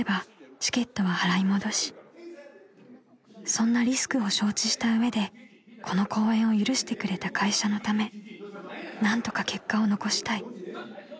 ［そんなリスクを承知した上でこの公演を許してくれた会社のため何とか結果を残したい］